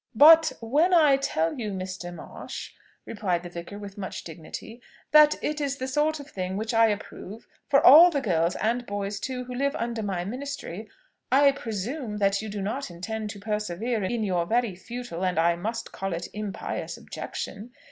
"But when I tell you, Mr. Marsh," replied the vicar with much dignity, "that it is the sort of thing which I approve, for all the girls and boys too who live under my ministry, I presume that you do not intend to persevere in your very futile, and I must call it, impious objection.